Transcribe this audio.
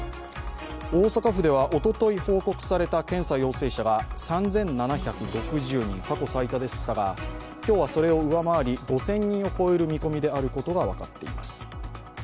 大阪府ではおととい報告された検査陽性者が３７６０人、過去最多でしたが今日はそれを上回り５０００人を超える見込みであることが分かっています。